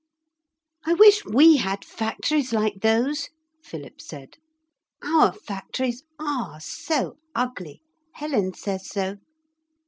'I wish we had factories like those,' Philip said. 'Our factories are so ugly. Helen says so.'